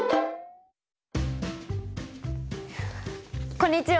こんにちは！